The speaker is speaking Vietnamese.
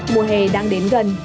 mùa hè đang đến gần